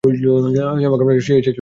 যে আমাকে বানিয়েছে সে এসেছিল।